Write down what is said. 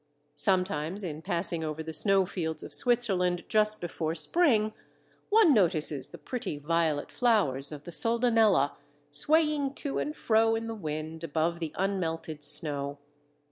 Sometimes in passing over the snowfields of Switzerland just before spring, one notices the pretty violet flowers of the Soldanella swaying to and fro in the wind above the unmelted snow.